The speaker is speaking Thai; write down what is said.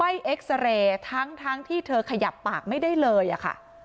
เอ็กซาเรย์ทั้งที่เธอขยับปากไม่ได้เลยอะค่ะ